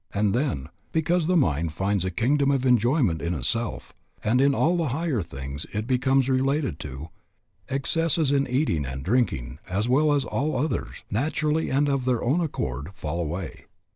And then, because the mind finds a kingdom of enjoyment in itself, and in all the higher things it becomes related to, excesses in eating and drinking, as well as all others, naturally and of their own accord fall away.